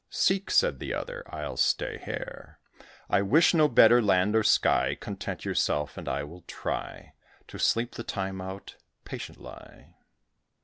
"Seek!" said the other; "I'll stay here. I wish no better land or sky: Content yourself, and I will try To sleep the time out patiently."